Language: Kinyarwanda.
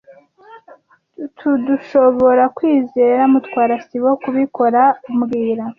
Turdushoborakwizera Mutwara sibo kubikora mbwira